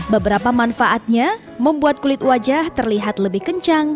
beberapa manfaatnya membuat kulit wajah terlihat lebih kencang